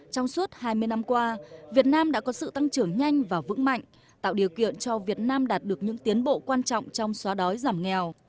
trong suốt hai mươi năm qua việt nam đã có sự tăng trưởng nhanh và vững mạnh tạo điều kiện cho việt nam đạt được những tiến bộ quan trọng trong xóa đói giảm nghèo